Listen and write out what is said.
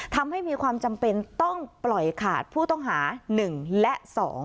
ทำให้มีความจำเป็นต้องปล่อยขาดผู้ต้องหา๑และ๒